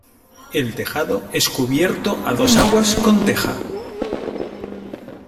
El tejado es cubierto a dos aguas con teja.